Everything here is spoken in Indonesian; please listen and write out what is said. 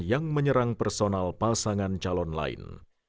yang menyerang personal pasangan calon lain